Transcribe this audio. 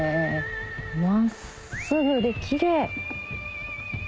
真っすぐでキレイ。